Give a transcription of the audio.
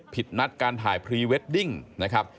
นัดการถ่ายพรีเวดดิ้งนะครับ